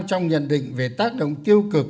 trong nhận định về tác động tiêu cực